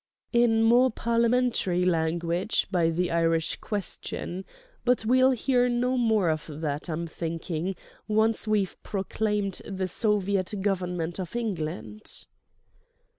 "In more Parliamentary language, by the Irish Question. But we'll hear no more of that, I'm thinking, once we've proclaimed the Soviet Government of England."